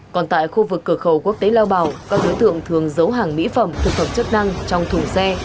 còn tại khu vực cửa khẩu quốc tế lao bảo các đối tượng thường giấu hàng mỹ phẩm thực phẩm chức năng trong thủ xe